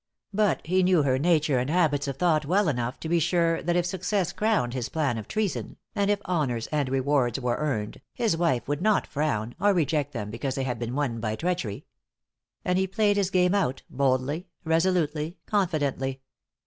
But he knew her nature and habits of thought well enough to be sure that if success crowned his plan of treason, and if honors and rewards were earned, his wife would not frown, or reject them because they had been won by treachery. And he played his game out, boldly, resolutely, confidently.